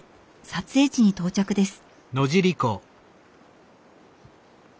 撮影地に到着です。